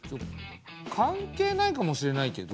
関係ないかもしれないけど。